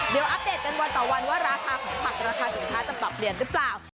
เดี๋ยวอัปเดตกันวันต่อวันว่าราคาของผักราคาสินค้าจะปรับเปลี่ยนหรือเปล่า